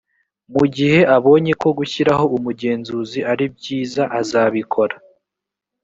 mu gihe abonye ko gushyiraho umugenzuzi aribyiza azabikora